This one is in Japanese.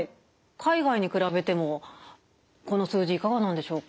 海外に比べてもこの数字いかがなんでしょうか？